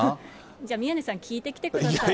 じゃあ、宮根さん、聞いてきてください。